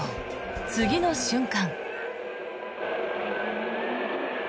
次の瞬間。